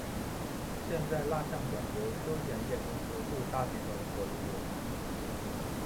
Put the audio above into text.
现在蜡像馆由休闲业公司杜莎集团所拥有。